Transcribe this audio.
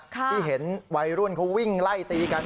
ที่เห็นวัยรุ่นเขาวิ่งไล่ตีกัน